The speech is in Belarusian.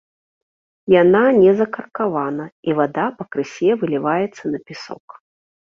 Яна не закаркавана, і вада пакрысе выліваецца на пясок.